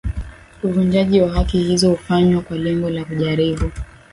uvunjaji wa haki hizo hufanywa kwa lengo la kujaribu